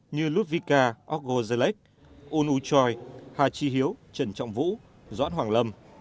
như ludvika orgozelek unu choi hà chi hiếu trần trọng vũ doãn hoàng lâm